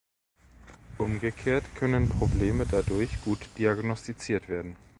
Umgekehrt können Probleme dadurch gut diagnostiziert werden.